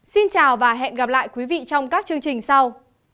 xin chào và hẹn gặp lại quý vị trong các chương trình sau